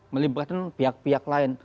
melibatkan pihak pihak lain